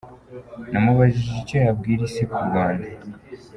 Namubajije icyo yabwira Isi ku Rwanda.